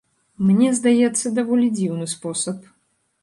Мне здаецца, даволі дзіўны спосаб.